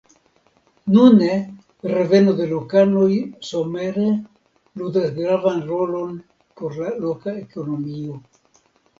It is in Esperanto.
Nune reveno de lokanoj somere ludas gravan rolon por la loka ekonomio.